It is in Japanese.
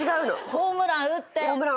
ホームラン打って。